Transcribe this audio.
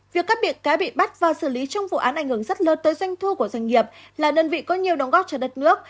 việc các biệt cá bị bắt và xử lý trong vụ án ảnh hưởng rất lớn tới doanh thu của doanh nghiệp là đơn vị có nhiều đóng góp cho đất nước